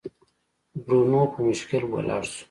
برونو په مشکل ولاړ شو.